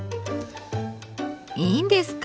いいんですか？